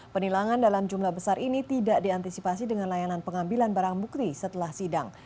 penilangan dalam jumlah besar ini tidak diantisipasi dengan layanan pengambilan barang bukti setelah sidang